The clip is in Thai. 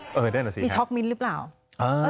เออเดี๋ยวหน่อสิมีช็อกมิ้นส์หรือเปล่าอ่า